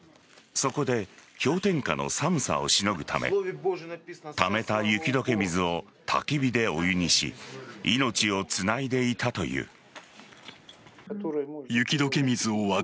そこで氷点下の寒さをしのぐためためた雪解け水をたき火でお湯にし命をつないでいたという。